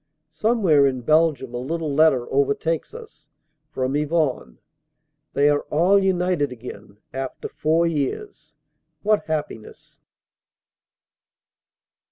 Somewhere in Belgium a little letter overtakes us from Yvonne. They are all united again, after four years what happiness!